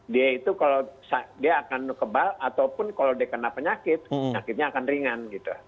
dia itu kalau dia akan kebal ataupun kalau dia kena penyakit penyakitnya akan ringan gitu